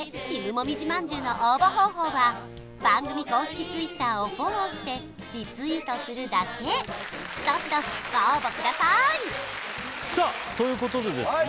もみじ饅頭の応募方法は番組公式Ｔｗｉｔｔｅｒをフォローしてリツイートするだけどしどしご応募くださいさあということでですね